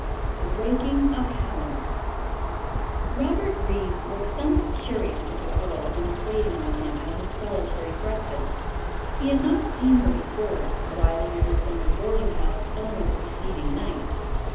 The Waking of Helen Robert Reeves looked somewhat curiously at the girl who was waiting on him at his solitary breakfast. He had not seen her before, arriving at his summer boarding house only the preceding night.